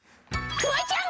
フワちゃん！